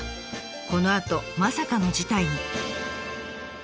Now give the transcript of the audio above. このあとまさかの事態に。